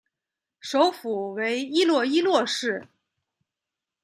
首府为伊洛伊洛市。